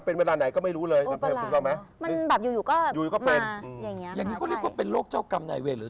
เป็นเวลาไหนก็ไม่รู้เลยมันแบบอยู่อยู่ก็มาอย่างนี้เขาเรียกว่าเป็นโรคเจ้ากรรมในเวรหรือ